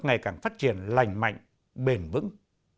ngày càng phát triển lành mạnh bền vững